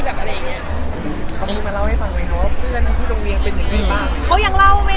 เค้ามีมาเล่าให้ฟังไว้นะว่าเพื่อนที่โรงเรียงเป็นอย่างไรบ้าง